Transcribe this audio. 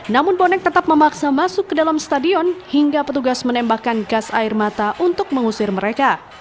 namun bonek tetap memaksa masuk ke dalam stadion hingga petugas menembakkan gas air mata untuk mengusir mereka